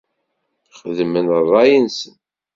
Xedmen ṛṛay-nsen.